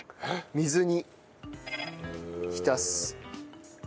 水に浸す。